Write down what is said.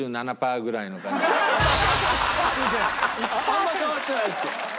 あんまり変わってないですよ。